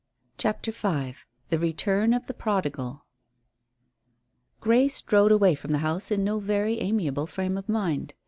CHAPTER V THE RETURN OF THE PRODIGAL Grey strode away from the house in no very amiable frame of mind.